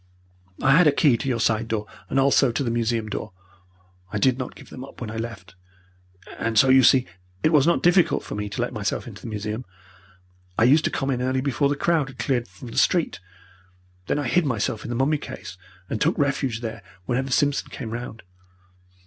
I had a key to your side door and also to the museum door. I did not give them up when I left. And so you see it was not difficult for me to let myself into the museum. I used to come in early before the crowd had cleared from the street. Then I hid myself in the mummy case, and took refuge there whenever Simpson came round.